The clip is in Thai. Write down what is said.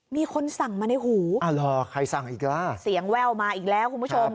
มีคนสั่งมาในหูอ่าหรอใครสั่งอีกล่ะเสียงแว่วมาอีกแล้วคุณผู้ชม